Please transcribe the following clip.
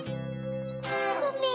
ごめん